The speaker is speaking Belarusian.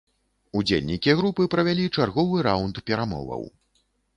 Удзельнікі групы правялі чарговы раўнд перамоваў.